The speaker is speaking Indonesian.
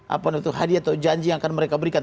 apa itu hadiah atau janji yang akan mereka berikan